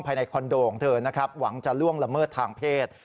ภายในคอนโดของเธอนะครับหวังจะล่วงละเมิดทางเพศ